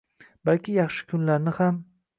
balki yaxshi kunlarni ham